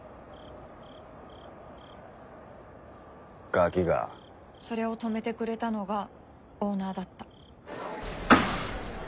ガキがそれを止めてくれたのがオーナーだった。